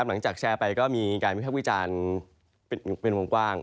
หลังจากแชร์ไปก็มีการวิภาควิจารณ์เป็นวงกว้าง